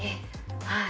「はい。